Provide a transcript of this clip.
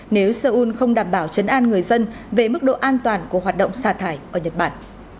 nếu seoul không đảm bảo chấn an người dân về mức độ an toàn của hoạt động xả thải ở nhật bản